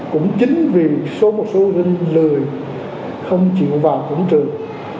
cũng chính vì số một số huynh lười không chịu vào cổng trường